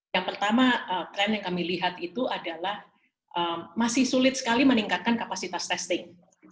yang pertama tren yang kami lihat itu adalah masih sulit sekali meningkatkan kapasitas testing